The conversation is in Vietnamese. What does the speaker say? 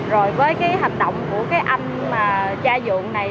rồi với cái hành động của cái anh cha dưỡng này